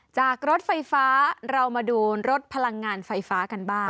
รถไฟฟ้าเรามาดูรถพลังงานไฟฟ้ากันบ้าง